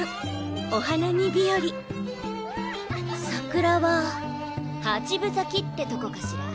お花見日和桜は八分咲きってとこかしら。